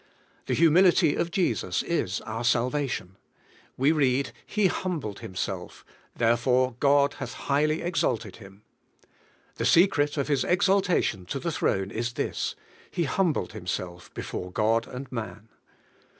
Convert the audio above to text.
The humility of Jesus is our salvation. We read, "He humbled Himself, therefore God hath highly ex alted Him." The secret of His exaltation to the throne is this: He humbled Himself before God and man.